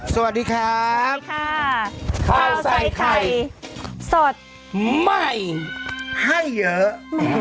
สวัสดีครับสวัสดีค่ะเข้าใส่ไข่สดไหมให้เยอะ